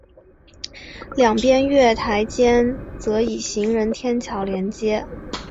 两边月台间则以行人天桥连接。